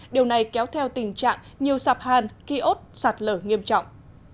điều này kéo theo tình trạng nhiều sạp hàn ký ốt sạt lở nghiêm trọng